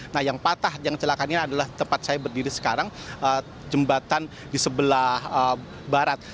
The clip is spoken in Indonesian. nah yang patah yang celakanya adalah tempat saya berdiri sekarang jembatan di sebelah barat